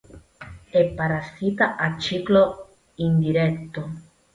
È un parassita a ciclo indiretto.